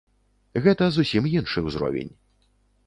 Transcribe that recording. Гэта зусім іншы ўзровень.